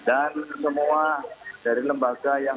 dan semua dari lembaga yang